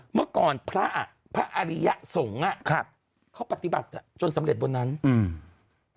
เมื่อก่อนพระพระอริยสงฆ์อ่ะครับเขาปฏิบัติอ่ะจนสำเร็จบนนั้นอืม